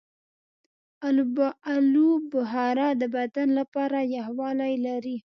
آلوبخارا د بدن لپاره یخوالی لري.